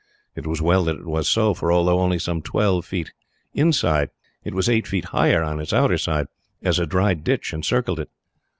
It was well that it was so, for although only some twelve feet high inside, it was eight feet higher on its outer face, as a dry ditch encircled it.